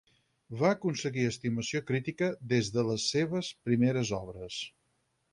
Va aconseguir estimació crítica des de les seves primeres obres.